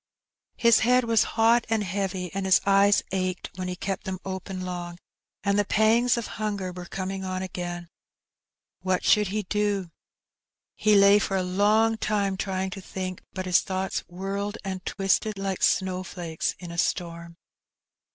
' His head was hot and heavy, and his eyes achecl when he kept them open long, and the pangs of hunger were coming on again. What should he do? He lay for a long The Boeder Land. 215 time trjring to think, but his thoughts whirled and twisted like snowflakes in a storm.